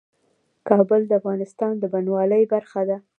کابل د افغانستان د بڼوالۍ برخه ده.